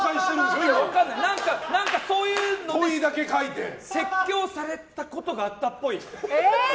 何か、そういう説教されたことがあったっぽい。